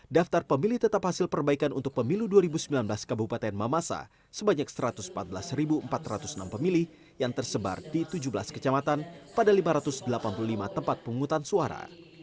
daftar pemilih tetap hasil perbaikan untuk pemilu dua ribu sembilan belas kabupaten mamasa sebanyak satu ratus empat belas empat ratus enam pemilih yang tersebar di tujuh belas kecamatan pada lima ratus delapan puluh lima tempat penghutang suara